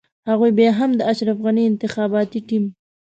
هغوی بيا هم د اشرف غني انتخاباتي ټيم.